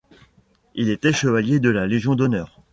Il était chevalier de la Légion d’honneur.